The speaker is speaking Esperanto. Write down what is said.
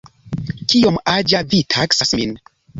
Kiom aĝa vi taksas min?